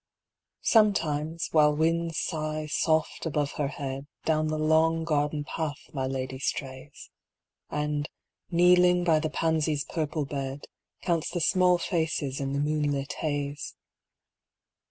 Sometimes, while winds sigh soft above her head, Down the long garden path my Lady strays, And kneeling by the pansies' purple bed. Counts the small faces in the moonlit haze.